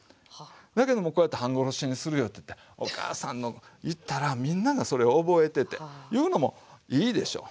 だけどもこうやって「半殺しにするよ」って言ってお母さん言ったらみんながそれを覚えてていうのもいいでしょ。